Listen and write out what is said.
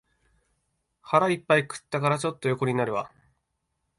腹いっぱい食ったから、ちょっと横になるわ